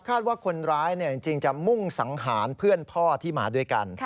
ว่าคนร้ายจริงจะมุ่งสังหารเพื่อนพ่อที่มาด้วยกัน